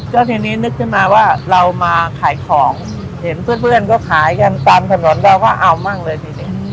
แล้วทีนี้นึกขึ้นมาว่าเรามาขายของเห็นเพื่อนเพื่อนก็ขายกันตามถนนเราก็เอามั่งเลยทีนี้